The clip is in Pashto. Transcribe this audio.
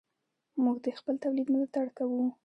موږ د خپل تولید ملاتړ کوو.